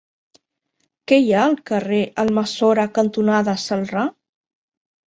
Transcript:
Què hi ha al carrer Almassora cantonada Celrà?